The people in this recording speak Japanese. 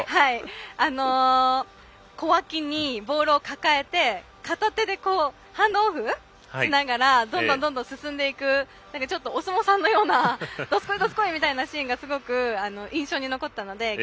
小脇にボールを抱えて片手でハンドオフしながらどんどん進んでいくお相撲さんのようなどすこいみたいなシーンがすごく印象に残ったので。